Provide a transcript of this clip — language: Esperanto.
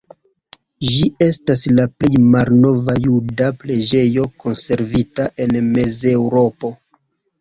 Ĝi estas la plej malnova juda preĝejo konservita en Mezeŭropo.